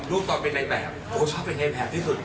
รูปต่อเป็นในแบบโอชอบเป็นไงแบบที่สุด